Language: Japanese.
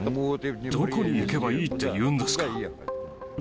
どこに行けばいいっていうんですか？